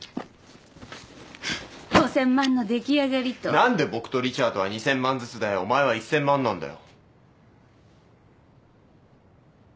何で僕とリチャードは２，０００万ずつでお前は１，０００万なんだよ。